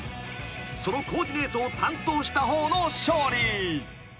［そのコーディネートを担当した方の勝利］